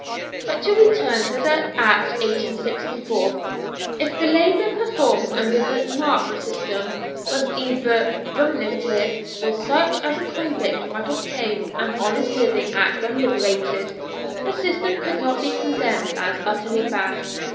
But to return to the Act 1864. If the labour performed under the "mark" system was either remunerative, or such as a convict might obtain an honest living at when liberated, the system could not be condemned as utterly bad.